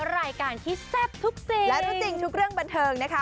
รายการที่แซ่บทุกสิ่งและรู้จริงทุกเรื่องบันเทิงนะคะ